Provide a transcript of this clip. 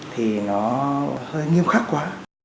thì nó hơi nghiêm khắc quá